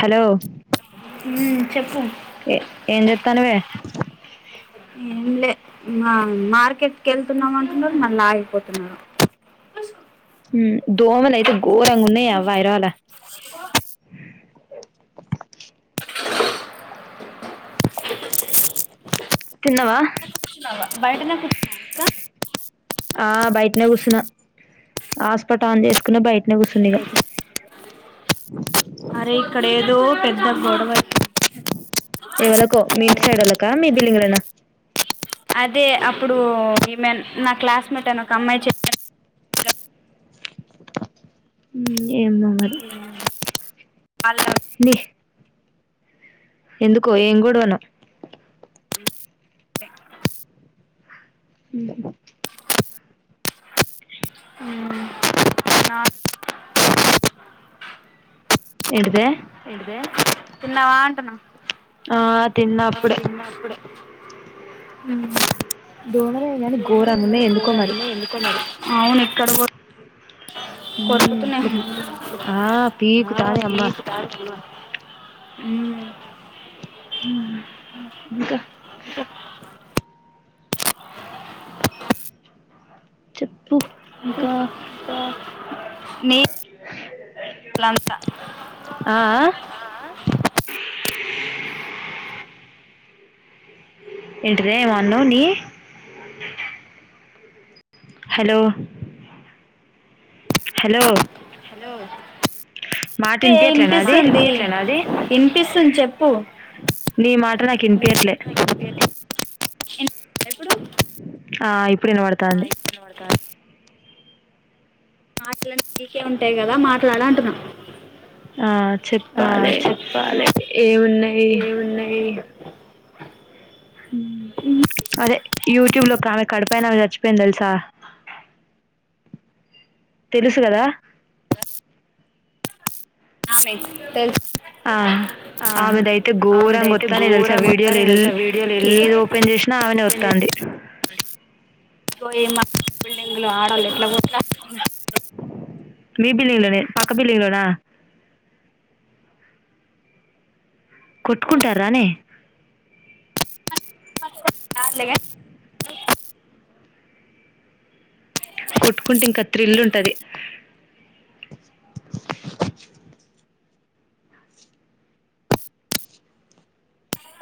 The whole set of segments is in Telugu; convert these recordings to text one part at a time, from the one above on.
హలో హ్ చెప్పు ఏ ఏం చెత్తనవే ఏం లే మార్కెట్ కి వెళ్తున్నాం అంటున్నారు మళ్ళీ ఆగిపోతున్నారు ఉ దోమలయితే గోరంగా ఉన్నాయి అవ్వ హైద్రాబాద్ లొ తిన్నవా బయటనే కూర్చున్నవ అక్క ఆ బయటనే కూర్చున్నా హాట్స్పాట్ ఆన్ చేసు కున్న బయట నే కూర్చున్న ఇక ఇంకా అరే ఇక్కడ ఏదో పెద్ద గోడవ ఎవలకో మీ ఇంటి సైడ్ వోళ్ళకా మీ బిల్డింగ్ లొనా అదే అప్పుడు ఈమె నా క్లాస్మేట్ అని ఒక అమ్మాయి చెప్పాను ఉ ఏమో మరి అలా ని ఎందుకో ఏం గొడవనో హ్ నా ఏంటిదే ఎంటిదే తిన్నావా అంటున్నా ఆ తిన్న ఆ అప్పుడే తిన్నా అప్పుడే హ్ దోమలే గాని దోమలు ఘోరంగా ఉన్నవి ఉన్నాయి ఎందుకో ఘోరంగా మరి ఉన్నాయి ఎందుకో మరి అవునే తడుగు మ్మ్ ఇట్ల కొరకుతున్నాయి ఆ అ పీకుతాంది అమ్మ పీకుతానై ఊ ఇంకా చెప్ ప్పు ఇంకా నీ అంతా ఆ ఆ ఏంటిదే ఏమో అన్నావ్ నీ హలో హలో హలో మాట చెప్పే వినిపియట్లే నాది ఇనిపిస్తుంది ఇనిపిస్తుంది చెప్పు నీ మాట నాకు నీ వినిపియట్లే మాట నాకు ఇనిపియ్యట్లే ఇను ఎప్పుడు ఆ ఇప్పుడు ఆ వినబడుతాంది ఇప్పుడు వినబడతాంది మాటలన్ని నీకే ఉంటాయి కదా మాట్లాడు అంటున్నా ఆ ఆ చెప్పాలే చెప్పాలి ఏమున్నాయి ఏమున్నాయి అదే యూట్యూబ్ లో ఆమె కడ పైన చచ్చిపోయింది తెలుసా తెలుసు కదా ఆమె తెలుసు ఆ ఆ ఆమె దయితే ఘోరంగా ఆమెదయితే వత్తానే తెలుసా ఘోరం వస్తానే వీడియోలు ల్ తెలుసా వీడియోలు ఎల్ ఏది ఓపెన్ చేసినా ఆమెనే వత్తాంది య మా బిల్డింగ్లు ఆడాల ఎట్లా కొట్లాడుతు మీ బిల్డింగ్ లోనే పక్క బిల్డింగ్ లోనా కొట్టుకుంటారానే [unintelligible] కొట్టుకుంటే ఇంకా థ్రిల్ ఉంటది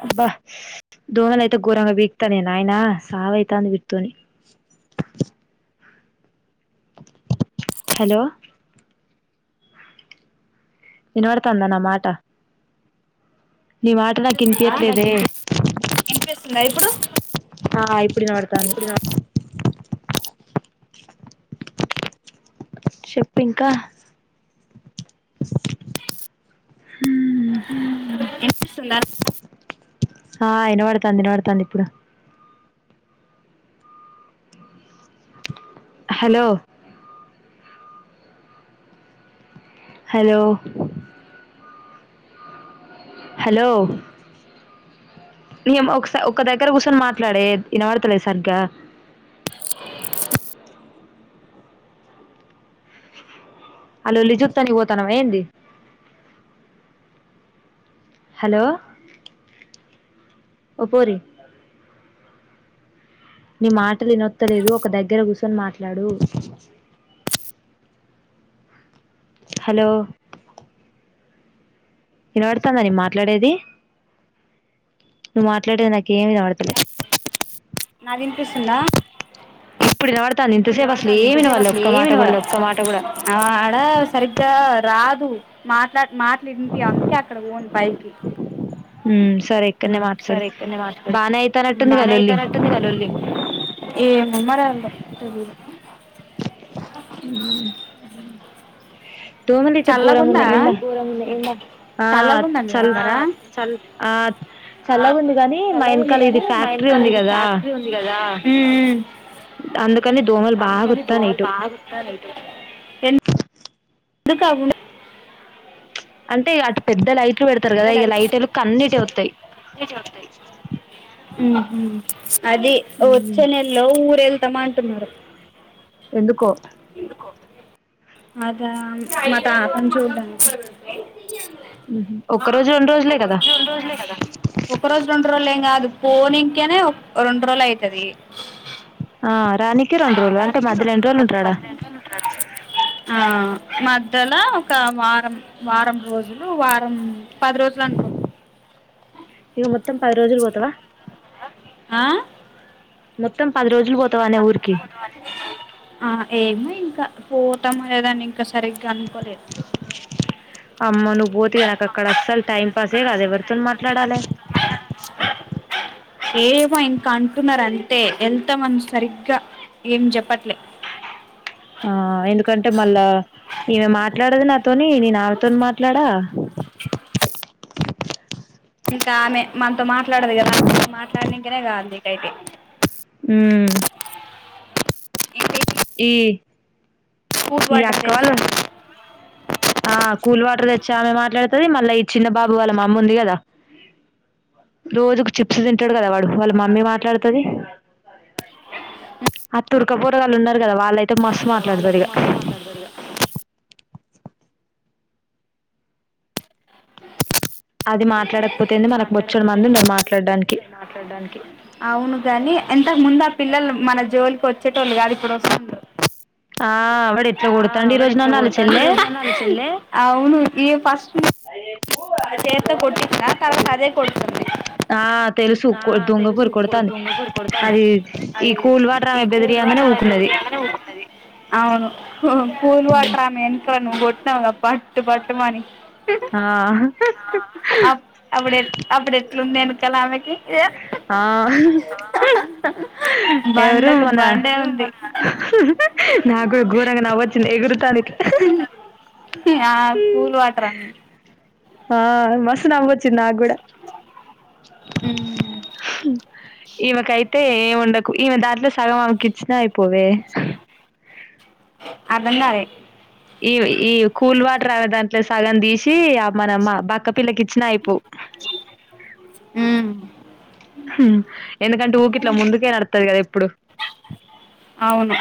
అబ్బా దోనలు అయితే ఘోరంగా వీకుతాన్నాయి నాయన సావయితాంది వితోని హలో వినవాడతందా నా మాట నీ మాట నాకు మాటలకు వినిపియట్లేదే ఇనిపిస్తుందా ఇప్పుడు ఆ ఇప్పుడు వినబడుతాంది చెప్పు ఇంకా ఉ వినిపిస్తుందా ఆ వినపడుతాంది వినబడుతంది ఇప్పుడు హలో హలో హలో నీయమ్మ ఒక సా ఒక దగ్గర కూర్చొని మాట్లాడే వినబడతలే సరిగ్గా ఆ లోల్లి జూత్తనికి పోతనవ ఏంది హలో ఓ పోరి నీ మాటలు ఇనొత్తలేదు ఒక దగ్గర కూర్చొని మాట్లాడు హలో ఇనబడతాందా నీ మాట్లాడేది నువ్వు మాట్లాడేది నాకేమి ఇనబడతలే నాది విన్పిస్తుందా ఇప్పుడు వినబడుతాంది ఇంతసేపు అసలు ఏం వినబడలే ఒక్క మాట కూడా ఆడ సరిగ్గా రా దు మాట్లా మాటలు ఇన్పియవ్ అందుకే అక్కడ పోన్ పైకి హ్మ్ సరే ఇక్కడనే మాట్లాడు బానే అయితానట్టుందిగా బాగనే లొల్లి అవుతానట్టుంది గా లొల్లి ఏ ముమ్మ [unintelligible] తెల్దు హ్మ్ చల్లగుందా ఉన్నాయి ఏమ్మా ఆ చల్లగుందా మీ చల్ దగ్గరా ఆ చల్లగా ఉంది గాని మా వెనకాల ఇది ఫ్యాక్టరీ ఉంది కదా హ్మ్మ్ అందుకని దోమలు బాగా అందుకని వత్తాన్నాయి దోమలు ఇటు బాగ వొత్తన్నాయ్ ఇటు ఎందుకాగ అంటే అటు పెద్దలుయి హ్మ్ హు అది వచ్చనెల్లో ఊరెల్ తమాంటున్నారు ఎందుకో అదా మా తాతను చూడ్డానికి హ్మ్ హు ఒక్క రోజు రెండు రోజులే ఒక కదా రోజు రెండు రోజులే పోని ఇంకేనే రెండు రోజులు అయితది ఆ రానీకి రెండు రోజులు అంటే మధ్యలో ఎన్ని రోజులు ఉంటారు ఆడ ఆ మధ్యలో ఒక వారం వారం రోజులు వారం పది రోజులు అనుకో ఇక మొత్తం పది రోజులు పోతవా ఆ మొత్తం పది రోజు ఆ ఏమో ఇంకా పోతం అనే దనింకా సరిగ్గ అనుకోలే అమ్మ నువ్వు పోతే ఇగ నాక అక్కడ అస్సలు టైం నాకు పాస్ అక్కడ అయ్యి అది అస్సలు టైం ఎవరితోన పాసే కాదు మాట్లాడాలే ఎవరితో ఏమో ఇంకా అంటున్నారంతే వెళ్తామని సరిగ్గా ఏం జొప్పట్లే ఆ ఎందుకంటే మళ్ళా ఈమె మాట్లాడదు నాతోని నీ నామెతోని మాట్లాడా ఇంకా ఆమె మ మాట్లాడదు గదా మాట్లా గాంధీకైతే ఉమ్ [inaudible] ఈ ఈ వాటర్ అక్క తెచ్చా వాళ్ళు ఆ కూల్ వాటర్ తెచ్చే ఆమె మాట్లాడుతది, మళ్ళా ఈ చిన్న బాబు వాళ్ళ మమ్మ ఉంది గదా రోజుకు చిప్స్ తింటడు గదా, వాడు వాళ్ళ మమ్మీ మాట్లాడుతది. ఆ తుర్కబో వాళ్ళున గదా వాళ్ళైతే మస్తు ఉన్నారు కదా వాళ్ళైతే మాట్లాడతారిగ మస్తు మాట్లాడతారు ఇగ అది మాట్లాడకపోతేంది మనకు బొచ్చడు మంది ఉన్నారు మాట్లాడడానికి అవును గాని అంతకు ముందు ఆ పిల్లలు మన జోలికొచ్చేటోళ్ళు గాదు ఇప్పుడు వొస్తున్రు ఆవిడ్ అవును ఈ ఫస్ట్ ఆమె చేత్తో కొట్టిందా కల కదే కొడుతుంది ఆ తెలుసు కొ దొంగ పోరి కొడతాంది అది ఈ కూల్ వాటర్ ఆమె బెదిరియంగానే ఊకున్నది అవును కూల్ వాటర్ ఆమెన్క నుగొ పట్టు పట్టు మని ఆ అప్ అప్పుడెప్ అప్పుడెట్లుంది ఎనకాల ఆమెకి ఆ ఎవరు బండకు మన బండే ఉంది నాకు ఘోరంగా నవ్వొచ్చింది ఎగురు ఆ కూల్ వాటరామె ఆ మస్తు నవ్వొచ్చింది నాగూడా ఈమకై తే ఏముండకు ఈమె దాంట్లో సగమామె కిచ్చినా పోవే అదన్నారే ఈ ఈ కూల్ వాటర్ దాంట్లో సగం దీసి మనమ్ బక్క పిల్లకిిచ్చన అయిపో మ్మ్ ఎందుకంటే ఊకిట్లా ముందుకే నడుత్తది గదా ప్పుడు అవును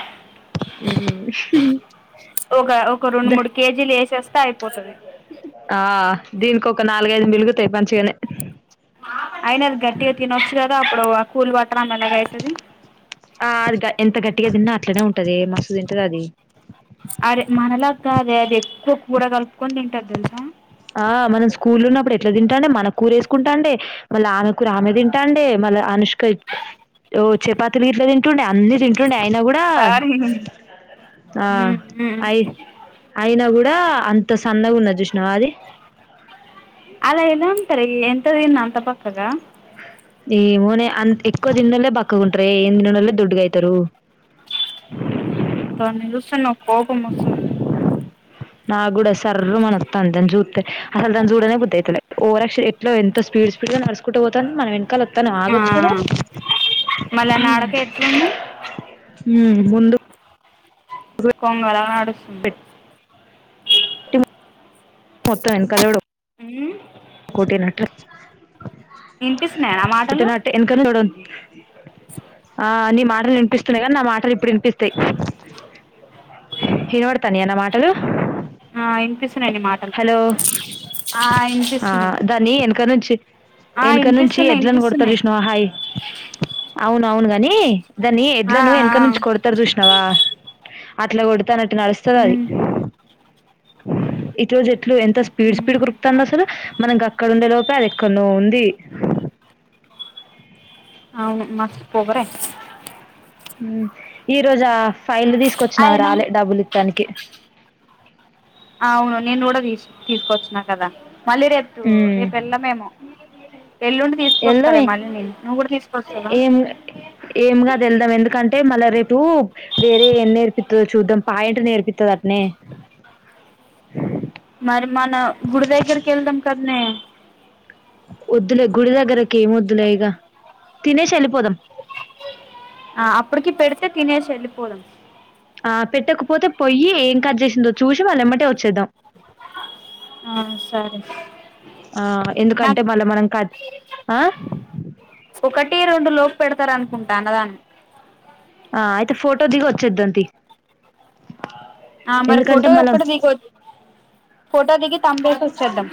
హ్మ్ ఒక ఒక రొండు ద మూడు కేజీలు ఏసెస్ ఆ దీనికొక లేదు మిలుగుతాయి బంచిగనే అయినా అది గట్టిగా తినొచ్చు కదా అప్పుడు లోవ కూల్ వాటర్ ఆమెను గైతది ఆ అది ఎంత గట్టిగా తిన్నా అట్లనే ఉంటదే మస్తు తింటది అది అరే మనలా కాదే అది ఎక్కువ కూర కలుపుకొని తింటాది తెలుసా ఆ మనం స్కూల్ ఉన్నప్పుడు ఎట్ల తింటాండే మన కూర వేసుకుంటాండే ఏ మళ్ళీ ఆమె కూర ఆమె తింటాండే మల్ల అనుష్క ఓ చపాతీలు ఇట్లా తింటుండే అన్ని తింటుండే అయినా కూడా సారీ ఆ మ్మ్ మ్మ్ అయి అయినా కూడా అంత సన్నగ ఉన్నది చూసినావా అది అలా ఎలా ఉంటారు ఎ ఎంత తిన్న బక్ కదా ఏమో నే అంత ఎక్కువ తిన్నొల్లే బక్కగా ఉంటారే ఏమి తిన్నొల్లే దొడ్డుగా అయితారు దాని చూస్తే నాకు కోపం వస్తుంది నాకు కూడా సర్రు మనీ వస్తాంది దాన్ని చూస్తే అస్సలు దాన్ని చూడనే బుద్ధి అయితలే ఓవరాక్షన్ ఎట్ల ఎంత స్పీడ్ స్పీడ్ గా నడుచుకుంట పోతాంది మన వెనకాల ఓ తను ఆ ఆగొచ్చు కదా మళ్ళా నడక ఎట్లుంది యూ ముందు కొంగలా నడుస్ కొట్టి మొత్తం ఎనక చూడు ఉ కోటి నట్లు వినిపిస్తున్నాయా నా మాటలు పెట్టినట్టు ఎనకనే చూడు ఆ నీ మాట రే వినిపిస్తున్నాయి కానీ నా మాటలు ఇప్పుడు వినిపిస్తాయి వినపడతన్నాయా నా మాటలు ఆ ఇన్ పీస్ హలో వినిపిస్తున్నాయి ఆ ఎనక నుంచి వినిపిస్తున్నాయి ఎడ్లను కొడతారు వినిపిస్తున్నాయి చూసినావా హై అవును అవును గాని దాన్ని ఆ ఎడ్లను ఎనక ఆ నుంచి కొడతారు చూసినావా అట్లా కోడ్ తను అట్ల నడుస్తది అది మ్మ్ ఈరోజు ఏట్లో ఎంత స్పీడ్ మ్మ్ స్పీడ్ ఉరుకుతాంది అసలు మనకి అక్కడ ఉండే లోపే అది ఎక్కడ నో ఉంది అవును మస్త్ పొగరే ఉ ఈరోజా ఫైల్లు తీసుకొచ్చినా అయినా రాలే డబ్బులు ఇత్తానికి అవును నేను కూడా తీస్ తీసుకొచ్చిన కదా మళ్లీ రేపు రేపు ఎల్లమేమో ఎళ్దాం ఏ నువ్వు కూడా తీసుకొస్తావా ఏం ఏం కాదు వెళ్దాం ఎందుకన్ అంటే మళ్ళా రేపు వేరే ఏమి నేర్పిస్తాదో చూద్దాం పాయింట్ నేర్పిస్తా దంటనే మరి మన గుడి దగ్గరికి వెళ్దాం కద నే వద్దులే గుడి దగ్గరకి ఏమి వద్దులే ఇక తినేసి వెళ్లిపోదాం ఆ అప్పుడుకి పెడుతే తినేసి ఏల్లిపోదాం ఆ పెట్టకపోతే పొయ్యి ఏం కట్ చేసిందో చూసి వాళ్ళ ఎమ్మటే వచ్చేద్దాం ఆ సరే ఆ ఎందుకంటే నాక్ మళ్ళ మనం కట్ ఆ ఒకటి రెండు లోపు పెడతారు అనుకుంటా అన్నదానం ఆ అయితే ఫోటో దిగి వచ్చేద్దాం తి ఆ మరి ఫోటో ఒక్కటి దిగొ ఫోటో దిగి తంబేసి వచ్చేద్దాం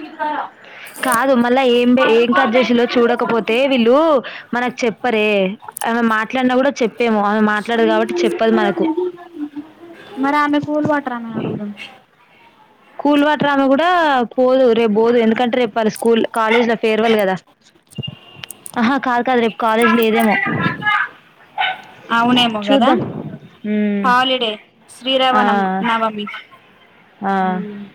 కాదు మళ్ళ ఏం ఏం కట్ చేసి ల్లో చూడకపోతే వీళ్ళు మనకు చెప్పరే ఆమె మాట్లాడిన కూడా చెప్పేము ఆమె మాట్లాడదు కాబట్టి చెప్పదు మనకు మరి ఆమె కూల్ వాటర్ ఆమెని అడుగుదాం కూల్ వాటర్ ఆమె కూడా పోదు రేపు పోదు ఎందుకంటే రేపు వాళ్ళ స్కూల్ కాలేజ్ లో ఫేర్వల్ కదా ఆహా కాదు కాదు రేప్ అవునేమో గదా చూద్దాం ఉమ్. హాలిడే శ్రీరామ ఆ నమ్ నవమి ఆ ఉమ్